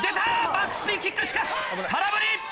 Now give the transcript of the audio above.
バックスピンキックしかし空振り。